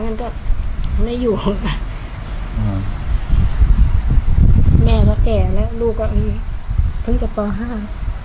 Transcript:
แล้วก็ไม่อยู่แม่ก็แก่แล้วลูกก็เพิ่งจะต่อห้า